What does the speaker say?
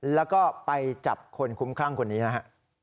แล้วก็ไปจับคนคุ้มครั่งคนนี้นะฮะ